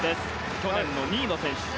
去年の２位の選手。